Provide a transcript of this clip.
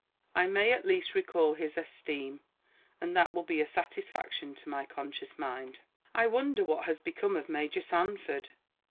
I may at least recall his esteem, and that will be a satisfaction to my conscious mind. I wonder what has become of Major Sanford.